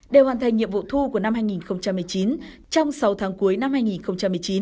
đều hoàn thành nhiệm vụ thu của năm hai nghìn một mươi chín trong sáu tháng cuối năm hai nghìn một mươi chín